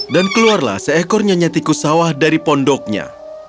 dan keluarlah seekor nyanyi tikus sawah dari pondoknya